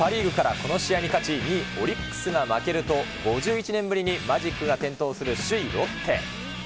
この試合に勝ち、２位オリックスが負けると、５１年ぶりにマジックが点灯する首位ロッテ。